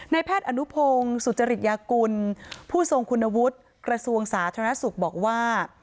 แพทย์อนุพงศ์สุจริยากุลผู้ทรงคุณวุฒิกระทรวงสาธารณสุขบอกว่า